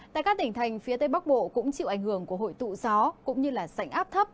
tại các tỉnh thành phía tây bắc bộ cũng chịu ảnh hưởng của hội tụ gió cũng như sảnh áp thấp